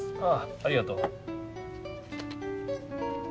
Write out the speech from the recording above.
ああありがとう。